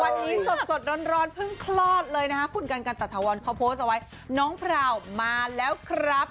วันนี้สดร้อนเพิ่งคลอดเลยนะคะคุณกันกันตะถวรเขาโพสต์เอาไว้น้องพราวมาแล้วครับ